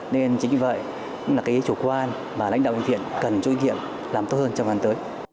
nên chính vậy là cái chủ quan mà lãnh đạo bệnh viện cần chú ý kiện làm tốt hơn trong gần tới